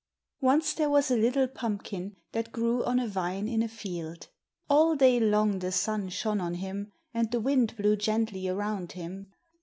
Once there was a little pumpkin that grew on a vine in a field. All day long the sun shone on him, and the wind blew gently around him.